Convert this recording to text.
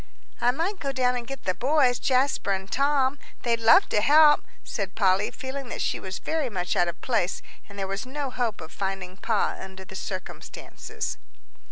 "I might go down and get the boys, Jasper and Tom they'd love to help," said Polly, feeling that she was very much out of place, and there was no hope of finding Pa under the circumstances.